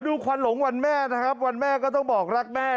ควันหลงวันแม่นะครับวันแม่ก็ต้องบอกรักแม่